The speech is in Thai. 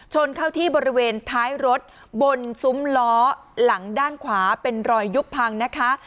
ชนเข้าที่บริเวณท้ายรถบนซุ้มล้อหลังด้านขวาเป็นรอยยุบพังนะคะ